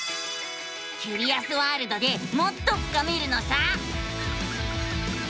キュリアスワールドでもっと深めるのさ！